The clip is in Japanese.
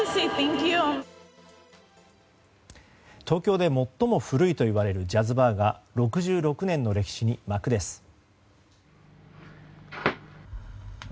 東京で最も古いといわれるジャズバーが６６年の歴史に幕です。